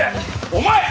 お前！